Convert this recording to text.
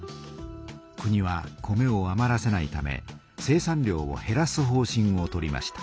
国は米をあまらせないため生産量をへらす方しんを取りました。